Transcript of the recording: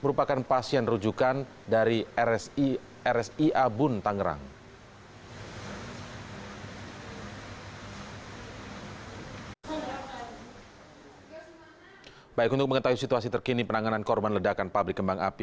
merupakan pasien rujukan dari rsi abun tangerang